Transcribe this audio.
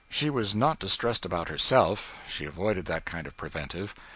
She was not distressed about herself. She avoided that kind of preventive.